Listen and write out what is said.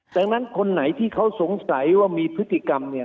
ดังนั้นคนไหนที่เขาสงสัยว่ามีพฤติกรรมเนี่ย